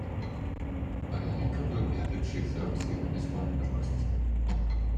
Mae angen cyflwyniad i'r traethawd sydd yn esbonio'r cwestiwn